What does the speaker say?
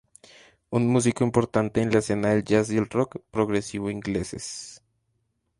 Es un músico importante en la escena del jazz y el rock progresivo ingleses.